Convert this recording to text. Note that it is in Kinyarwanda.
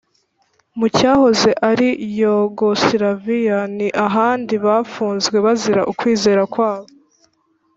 mu cyahoze ari Yugosilaviya n ahandi bafunzwe bazira ukwizera kwabo